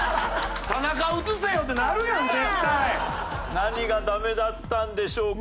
何がダメだったんでしょうか？